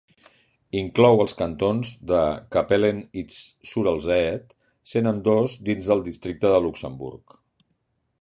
Inclou els cantons de Capellen i d'Esch-sur-Alzette, sent ambdós dins el Districte de Luxemburg.